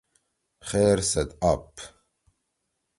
خیر سیت آپ